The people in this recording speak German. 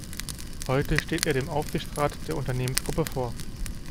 Heute steht er dem Aufsichtsrat der Unternehmensgruppe vor.